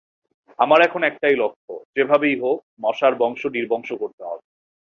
আমার এখন একটাই লক্ষ্য, যেভাবেই হোক মশার বংশ নির্বংশ করতে হবে।